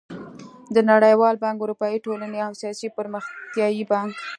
د نړېوال بانک، اروپايي ټولنې او اسيايي پرمختيايي بانک